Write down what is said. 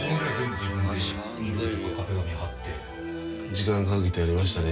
時間かけてやりましたね。